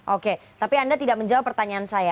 oke tapi anda tidak menjawab pertanyaan saya